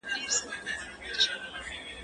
کېدای سي کتاب اوږد وي!.